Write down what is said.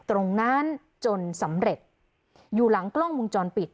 ตรงนั้นจนสำเร็จอยู่หลังกล้องมุมจรปิด